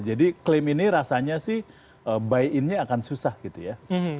jadi klaim ini rasanya sih buy in nya akan susah gitu ya